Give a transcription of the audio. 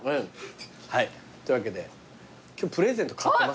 はいというわけで今日プレゼント買ってませんね。